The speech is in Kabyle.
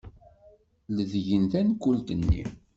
Ledyen tankult-nni.